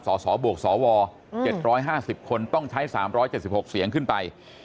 สสบวกสว๗๕๐คนต้องใช้๓๗๖เสียงขึ้นไป